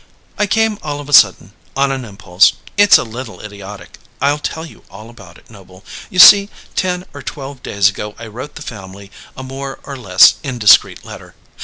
"I came all of a sudden on an impulse. It's a little idiotic. I'll tell you all about it, Noble. You see, ten or twelve days ago I wrote the family a more or less indiscreet letter.